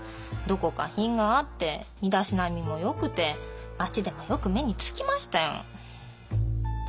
どこか品があって身だしなみもよくて町でもよく目につきましたよ。